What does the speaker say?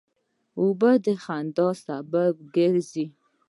اوبه د خندا سبب ګرځي.